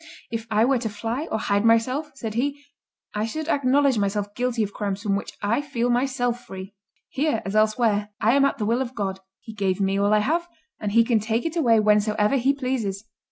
"If I were to fly or hide myself," said he, "I should acknowledge myself guilty of crimes from which I feel myself free. Here, as elsewhere, I am at the will of God; He gave me all I have, and He can take it away whensoever He pleases.